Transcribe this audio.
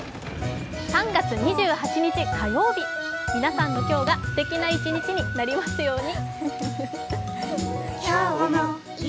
３月２８日火曜日、皆さんの今日がすてきな一日になりますように。